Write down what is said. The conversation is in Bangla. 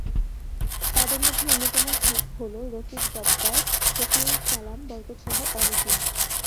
তাদের মধ্যে অন্যতম হলো রফিক, জব্বার, শফিউল, সালাম, বরকত সহ অনেকেই।